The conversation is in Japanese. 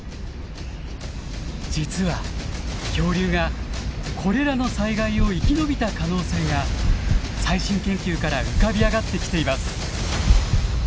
実は恐竜がこれらの災害を生き延びた可能性が最新研究から浮かび上がってきています。